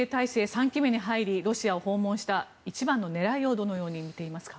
３期目に入りロシアを訪問した一番の狙いをどのように見ていますか。